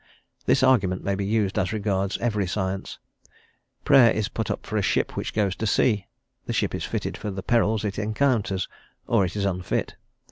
This argument may be used as regards every science. Prayer is put up for a ship which goes to sea. The ship is fitted for the perils it encounters, or it is unfit.